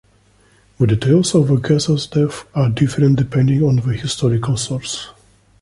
The details of Ghezo's death are different depending on the historical source.